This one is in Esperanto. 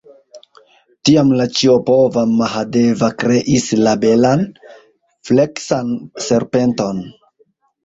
Tiam la ĉiopova Mahadeva kreis la belan, fleksan serpenton.